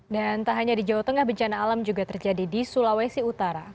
dan tak hanya di jawa tengah bencana alam juga terjadi di sulawesi utara